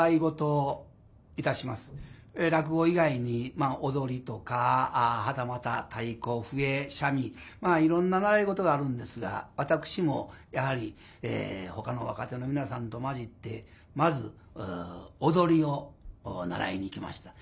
落語以外に踊りとかはたまた太鼓笛三味まあいろんな習い事があるんですが私もやはりほかの若手の皆さんと交じってまず踊りを習いに行きました。